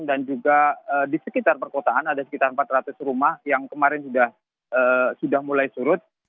dan juga di sekitar perkotaan ada sekitar empat ratus rumah yang kemarin sudah mulai surut